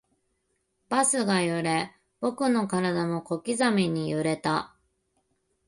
バスが揺れ、僕の体も小刻みに揺れた